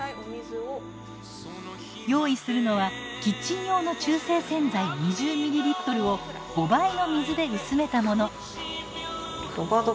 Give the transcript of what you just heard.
用意するのはキッチン用の中性洗剤２０ｍｌを５倍の水で薄めたもの。